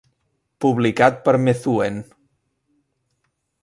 Publicat per Methuen.